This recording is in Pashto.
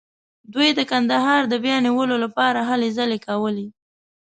دوی د کندهار د بیا نیولو لپاره هلې ځلې کولې.